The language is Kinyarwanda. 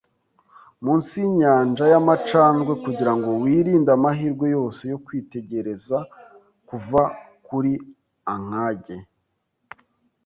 munsi yinyanja yamacandwe kugirango wirinde amahirwe yose yo kwitegereza kuva kuri ankage.